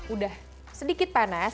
udah sedikit panas